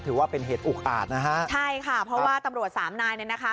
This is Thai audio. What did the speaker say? ถือว่าเป็นเหตุอุกอาจนะฮะใช่ค่ะเพราะว่าตำรวจสามนายเนี่ยนะคะ